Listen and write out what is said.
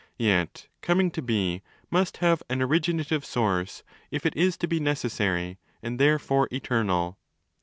Yet coming to be must have an ' originative source' (if it is to be necessary and therefore eternal